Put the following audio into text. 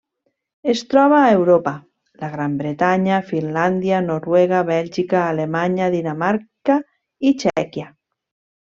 Es troba a Europa: la Gran Bretanya, Finlàndia, Noruega, Bèlgica, Alemanya, Dinamarca i Txèquia.